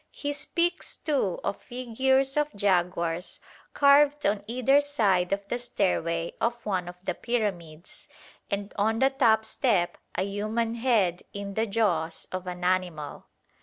He speaks, too, of figures of jaguars carved on either side of the stairway of one of the pyramids, and on the top step "a human head in the jaws of an animal."